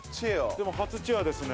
でも、初チェアですね。